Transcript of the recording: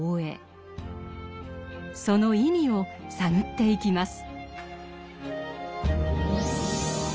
その意味を探っていきます。